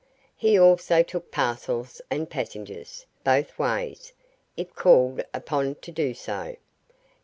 He also took parcels and passengers, both ways, if called upon to do so.